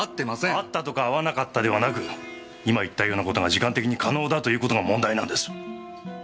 会ったとか会わなかったではなく今言ったような事が時間的に可能だという事が問題なんです。